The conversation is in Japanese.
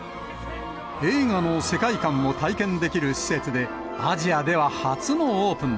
映画の世界観も体験できる施設で、アジアでは初のオープン。